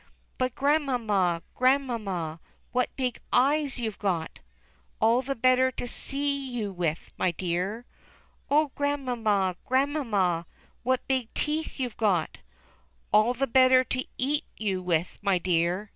But Grandmamma, Grandmamma, what big eyes youVe got !•• "All the better to see you with, my dear!" "Oh, Grandmamma, Grandmamma, what big teeth you've got !" "All the better to eat you with, my dear!"